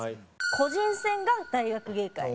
個人戦が大学芸会。